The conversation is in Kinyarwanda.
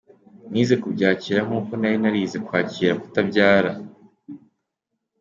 Nize kubyakira nk’uko nari narize kwakira kutabyara.